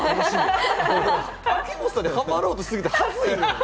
秋元さんにハマろうとしすぎて恥ずいぜ。